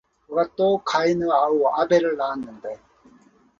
그가 또 가인의 아우 아벨을 낳았는데